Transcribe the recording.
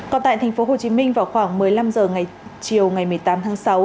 còn tại tp hcm vào khoảng một mươi năm h chiều một mươi tám tháng sáu